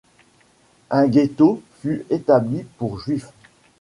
Un ghetto fut établi pour Juifs.